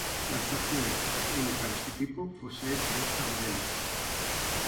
La estación, única en su tipo, posee tres andenes.